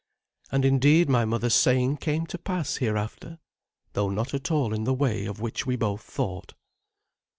And indeed my mother's saying came to pass hereafter, though not at all in the way of which we both thought.